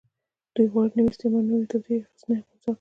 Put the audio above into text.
دوی غواړي د نوي استعمار نوې توطيې خنثی کړي.